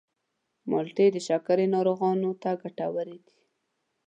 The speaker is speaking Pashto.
مالټې د شکرې ناروغانو ته ګټورې دي.